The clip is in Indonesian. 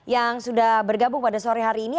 yang sudah bergabung pada sore hari ini